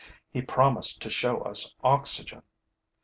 He promised to show us oxygen.